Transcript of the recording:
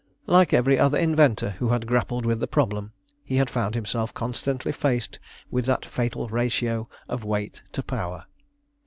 Like every other inventor who had grappled with the problem, he had found himself constantly faced with that fatal ratio of weight to power.